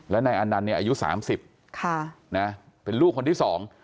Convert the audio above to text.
และในนั้นอายุ๓๐เป็นลูกคนที่๒